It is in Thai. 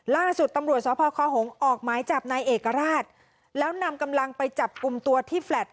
ล่าสุดตำรวจสพคหงออกหมายจับนายเอกราชแล้วนำกำลังไปจับกลุ่มตัวที่แลต